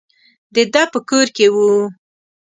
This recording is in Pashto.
د ده په کور کې وو.